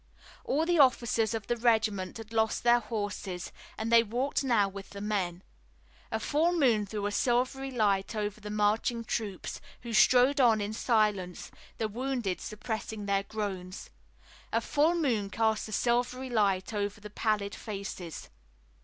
All the officers of the regiment had lost their horses and they walked now with the men. A full moon threw a silvery light over the marching troops, who strode on in silence, the wounded suppressing their groans. A full moon cast a silvery light over the pallid faces.